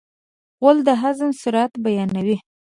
غول د هضم سرعت بیانوي.